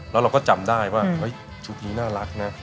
แล้วเราก็จำได้ว่าชุดนี้น่ารักนะ